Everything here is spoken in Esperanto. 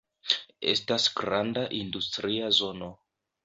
Estas granda industria zono.